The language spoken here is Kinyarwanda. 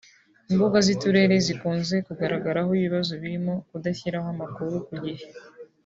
Imbuza z’Uturere zikunze kugaragaraho ibibazo birimo kudashyiraho amakuru ku gihe